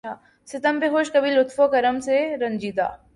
ستم پہ خوش کبھی لطف و کرم سے رنجیدہ